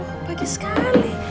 aduh pagi sekali